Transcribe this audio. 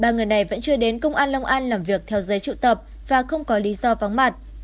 ba người này vẫn chưa đến công an long an làm việc theo giấy trự tập và không có lý do vắng mặt